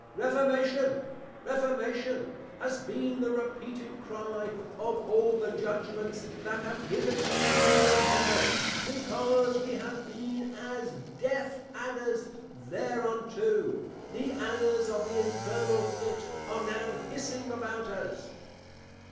REFORMATION! REFORMATION! has been the repeated Cry of all the Judgments that have hitherto been upon us; because we have been as deaf Adders thereunto, the Adders of the Infernal Pit are now hissing about us.